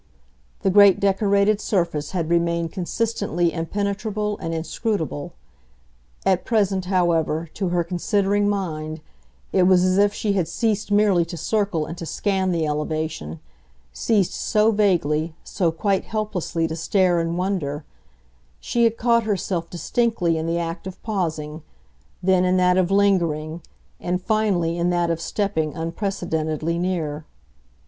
The great decorated surface had remained consistently impenetrable and inscrutable. At present, however, to her considering mind, it was as if she had ceased merely to circle and to scan the elevation, ceased so vaguely, so quite helplessly to stare and wonder: she had caught herself distinctly in the act of pausing, then in that of lingering, and finally in that of stepping unprecedentedly near.